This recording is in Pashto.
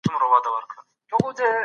ناصر خسرو ډېر اوږد سفر وکړ.